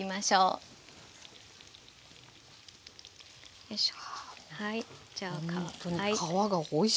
よいしょ。